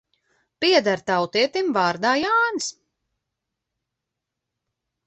Pieder tautietim vārdā Jānis.